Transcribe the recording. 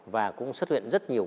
và cũng xuất hiện rất nhiều